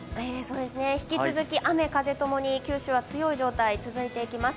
引き続き、雨・風ともに九州は強い状態、続いていきます。